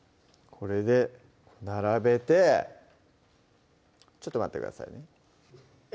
これで並べてちょっと待ってくださいね